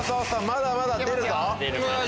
まだまだ出るぞ。